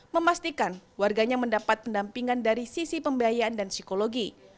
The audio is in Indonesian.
memastikan warganya mendapat pendampingan dari sisi pembiayaan dan psikologi